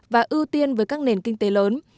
và ưu tiên với các nền kinh tế lớn